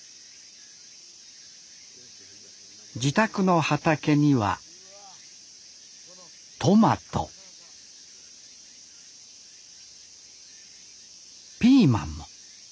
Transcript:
自宅の畑にはトマトピーマンも。